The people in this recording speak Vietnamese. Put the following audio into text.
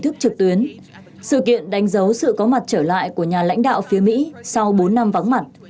thức trực tuyến sự kiện đánh dấu sự có mặt trở lại của nhà lãnh đạo phía mỹ sau bốn năm vắng mặt